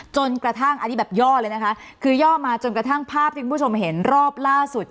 จนกระทั่งอันนี้แบบย่อเลยนะคะคือย่อมาจนกระทั่งภาพที่คุณผู้ชมเห็นรอบล่าสุด